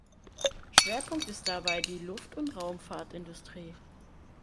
Schwerpunkt ist dabei die Luft- und Raumfahrtindustrie.